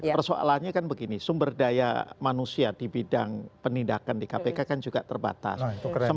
persoalannya kan begini sumber daya manusia di bidang penindakan di kpk kan juga terbatas